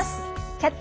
「キャッチ！